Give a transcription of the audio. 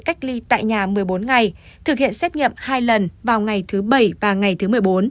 cách ly tại nhà một mươi bốn ngày thực hiện xét nghiệm hai lần vào ngày thứ bảy và ngày thứ một mươi bốn